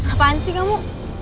apaan sih kamu